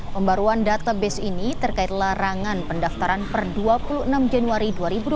pembaruan database ini terkait larangan pendaftaran per dua puluh enam januari dua ribu dua puluh